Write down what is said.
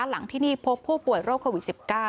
หลังที่นี่พบผู้ป่วยโรคโควิด๑๙